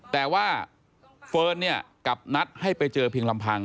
แต่ว่าเฟิร์นเนี่ยกลับนัดให้ไปเจอเพียงลำพัง